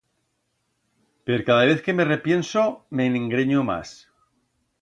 Per cada vez que me repienso, m'engrenyo mas.